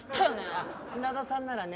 あっ砂田さんならね